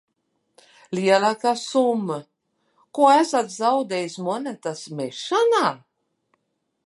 Lielākā summa, ko esat zaudējis monētas mešanā?